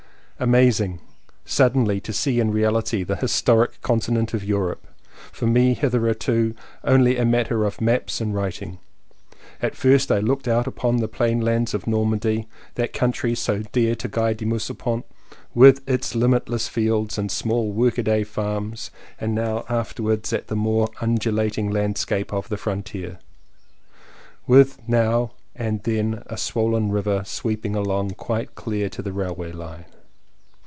Amazing! suddenly to see in reality the historic continent of Europe, for me hitherto only a matter of maps and writing. At first I looked out upon the plainlands of Normandy — that country so dear to Guy de Maupassant — with its limitless fields and small workaday farms, and afterwards at the more undulating landscape of the frontier, with now and then a swollen river sweeping along quite near to the railway line.